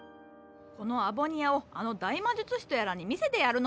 このアボニアをあの大魔術師とやらに見せてやるのじゃ。